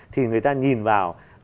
thì người ta nhìn vào